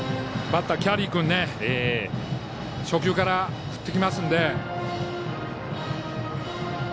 バッター、キャリー君初球から振ってきますので。